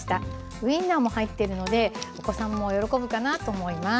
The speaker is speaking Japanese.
ウインナーも入ってるのでお子さんも喜ぶかなと思います。